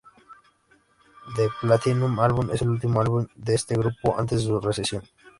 The Platinum Album es el último álbum de este grupo antes de su recesión.